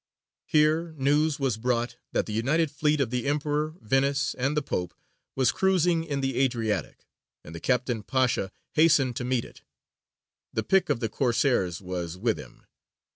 Here news was brought that the united fleet of the Emperor, Venice, and the Pope was cruising in the Adriatic, and the Captain Pasha hastened to meet it. The pick of the Corsairs was with him.